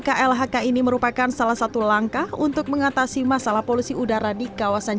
klhk ini merupakan salah satu langkah untuk mengatasi masalah polusi udara di kawasan